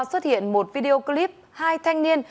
xuất hiện một video clip hai thanh niên